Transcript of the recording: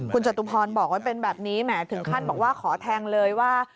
คุณจตุภรบอกว่าเป็นแบบนี้ถึงท่านบอกว่าขอแทงเลยว่า